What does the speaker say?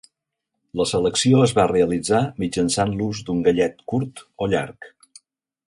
La selecció es va realitzar mitjançant l'ús d'un gallet curt o llarg.